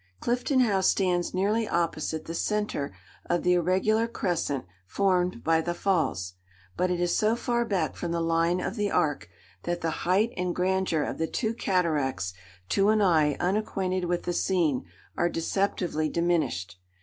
Clifton House stands nearly opposite the centre of the irregular crescent formed by the Falls; but it is so far back from the line of the arc, that the height and grandeur of the two cataracts, to an eye unacquainted with the scene, are deceptively diminished.